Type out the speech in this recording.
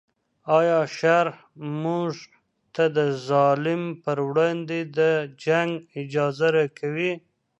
آیا شرع موږ ته د ظالم پر وړاندې د جنګ اجازه راکوي؟